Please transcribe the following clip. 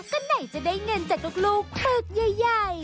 ก็ไหนจะได้เงินจากลูกเผือกใหญ่